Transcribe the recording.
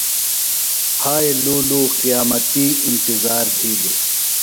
ہائے لُو لُو قیامتی انتظار تِھیلیۡ۔